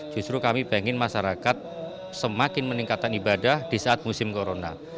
justru kami ingin masyarakat semakin meningkatkan ibadah di saat musim corona